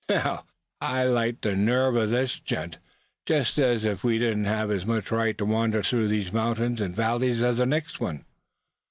"Now, I like the nerve of the gent. Just as if we didn't have as much right to wander through these mountains and valleys as the next one."